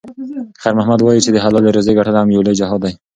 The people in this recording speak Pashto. خیر محمد وایي چې د حلالې روزۍ ګټل هم یو لوی جهاد دی.